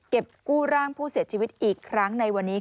กู้ร่างผู้เสียชีวิตอีกครั้งในวันนี้